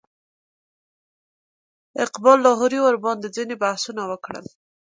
اقبال لاهوري ورباندې ځینې بحثونه وکړل.